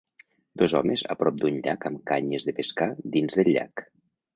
Dos homes a prop d'un llac amb canyes de pescar dins del llac.